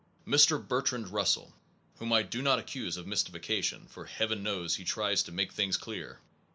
Mr. Bertrand Russell (whom I do not accuse of mystification, for Heaven knows he tries to make things clear!)